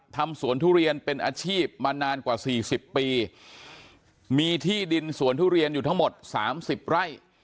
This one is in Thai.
ทำสวนทุเรียนเป็นอาชีพมานานกว่าสี่สิบปีมีที่ดินสวนทุเรียนอยู่ทั้งหมดสามสิบไร่